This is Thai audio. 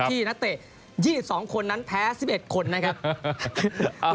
นักเตะ๒๒คนนั้นแพ้๑๑คนนะครับ